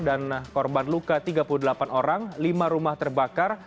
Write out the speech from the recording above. dan korban luka tiga puluh delapan orang lima rumah terbakar